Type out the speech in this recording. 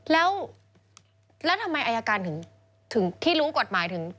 แล้วทำไมอายการถึงที่รู้กฎหมายถึง